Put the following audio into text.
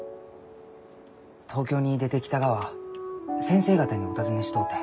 東京に出てきたがは先生方にお訪ねしとうて。